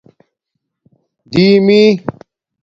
دِیمی